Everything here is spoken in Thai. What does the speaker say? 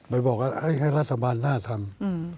ไปบอกให้รัฐบาลน่าทำ